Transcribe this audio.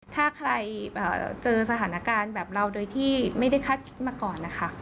ถ้าใครเจอสถานการณ์แบบเราโดยที่ไม่ได้คาดคิดมาก่อนนะคะ